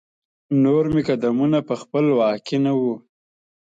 نور مې قدمونه په خپل واک کې نه وو.